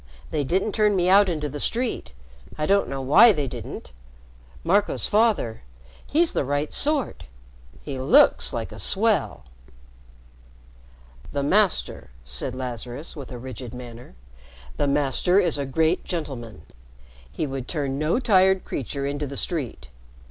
They didn't turn me into the street. I don't know why they didn't. Marco's father he's the right sort. He looks like a swell." "The Master," said Lazarus, with a rigid manner, "the Master is a great gentleman. He would turn no tired creature into the street.